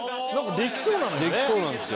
「できそうなんですよ」